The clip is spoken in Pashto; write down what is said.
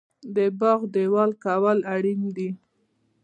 د باغ دیوال کول اړین دي؟